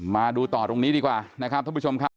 มาดูต่อตรงนี้ดีกว่านะครับท่านผู้ชมครับ